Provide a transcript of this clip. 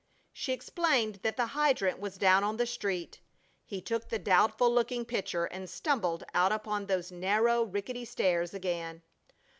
She explained that the hydrant was down on the street. He took the doubtful looking pitcher and stumbled out upon those narrow, rickety stairs again.